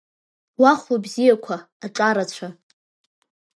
Уа хәылбзиақәа, аҿарацәа!